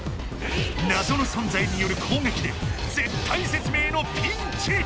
なぞの存在による攻撃で絶体絶命のピンチ！